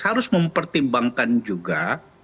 harus mempertimbangkan juga